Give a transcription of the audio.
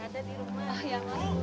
di rumah ya